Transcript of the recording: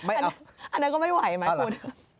อันนั้นก็ไม่ไหวไหมคุณ